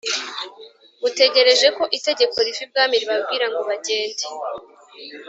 butegereje ko itegeko riva ibwami ribabwira ngo bagende.